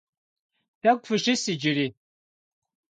Тӏэкӏу фыщыс иджыри.